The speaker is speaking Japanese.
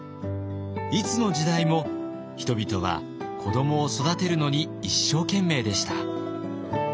いつの時代も人々は子どもを育てるのに一生懸命でした。